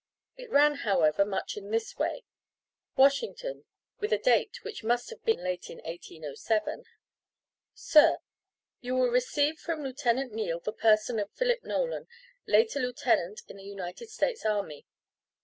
It ran, however, much in this way WASHINGTON (with a date, which must have been late in 1807). Sir, You will receive from Lieutenant Neale the person of Philip Nolan, late a lieutenant in the United States army.